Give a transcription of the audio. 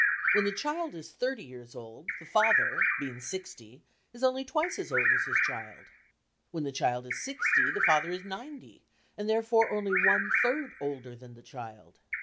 When the child is thirty years old, the father, being sixty, is only twice as old as his child. When the child is sixty the father is ninety, and therefore only one third older than the child.